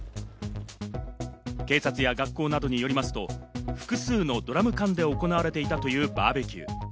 警察や学校などによりますと、複数のドラム缶で行われていたというバーベキュー。